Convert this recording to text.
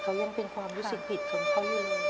เขายังเป็นความรู้สึกผิดของเขาเลย